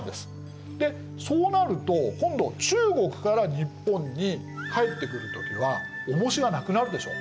でそうなると今度中国から日本に帰ってくる時は重しがなくなるでしょ。